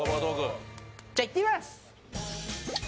じゃあいってみます！